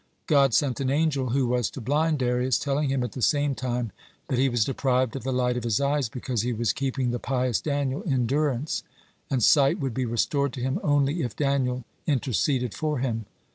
God sent an angel who was to blind Darius, telling him at the same time that he was deprived of the light of his eyes because he was keeping the pious Daniel in durance, and sight would be restored to him only if Daniel interceded for him.